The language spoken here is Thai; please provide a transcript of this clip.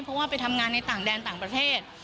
เพราะว่าไปทำงานในต่างแดนต่างประเทศ